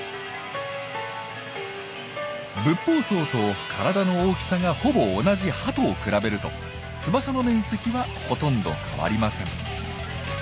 ブッポウソウと体の大きさがほぼ同じハトを比べると翼の面積はほとんど変わりません。